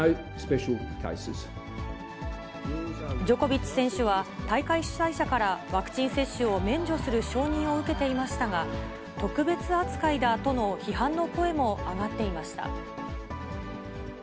ジョコビッチ選手は、大会主催者からワクチン接種を免除する承認を受けていましたが、特別扱いだとの批判の声も上がっていました。